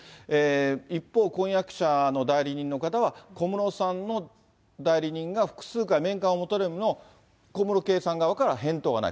一方、婚約者の代理人の方は、小室さんの代理人が複数回、面会を求めるも、小室圭さん側から返答がない。